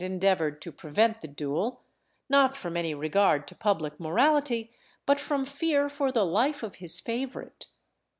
endeavoured to prevent the duel, not from any regard to public morality, but from fear for the life of his favourite.